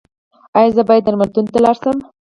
ایا زه باید درملتون ته لاړ شم؟